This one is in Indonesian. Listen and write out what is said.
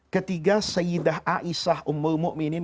ketiga seidah a'isah umul mu'minin